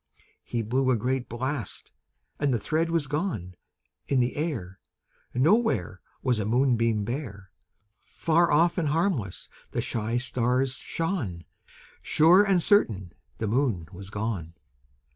He blew a great blast, and the thread was gone; In the air Nowhere Was a moonbeam bare; Far off and harmless the shy stars shone; Sure and certain the Moon was gone.